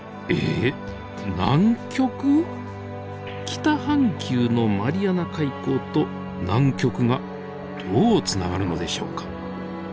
北半球のマリアナ海溝と南極がどうつながるのでしょうか？